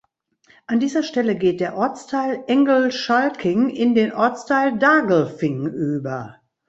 An dieser Stelle geht der Ortsteil Englschalking in den Ortsteil Daglfing über.